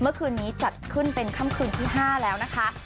เมื่อคืนนี้จัดขึ้นเป็นค่ำคืนที่๕แล้วนะคะ